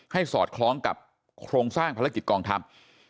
สอดคล้องกับโครงสร้างภารกิจกองทัพ